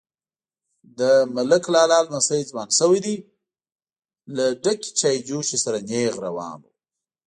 _د ملک لالا لمسی ځوان شوی دی، له ډکې چايجوشې سره نيغ روان و.